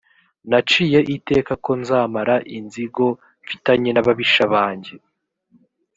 naciye iteka ko nzamara inzigo mfitanye n’ababisha banjye.